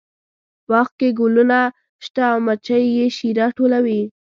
باغ کې ګلونه شته او مچۍ یې شیره ټولوي